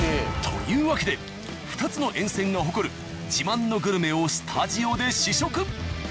というわけで２つの沿線が誇る自慢のグルメをスタジオで試食。